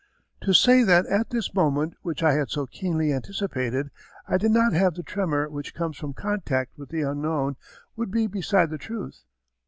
To say that at this moment, which I had so keenly anticipated, I did not have the tremor which comes from contact with the unknown would be beside the truth.